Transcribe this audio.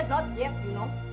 belum ibu tahu